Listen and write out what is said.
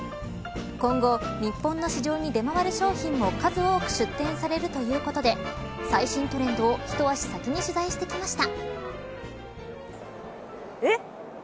今後、日本の市場に出回る商品も数多く出展されるということで最新トレンドを一足先に取材してきました。